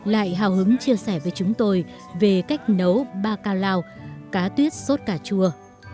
lại hào hứng chia sẻ với chúng tôi về cách nấu bakalau cá tuyết sốt cà chua